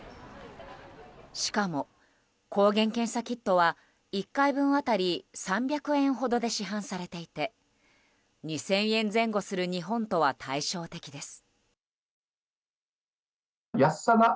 しかも抗原検査キットは１回分当たり３００円ほどで市販されていて２０００円前後する日本とは対照的です。